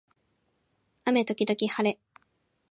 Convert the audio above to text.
雨時々はれ